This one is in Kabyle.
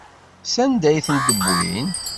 Sanda ay ten-wwin?